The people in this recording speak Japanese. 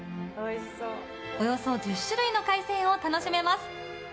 およそ１０種類の海鮮を楽しめます。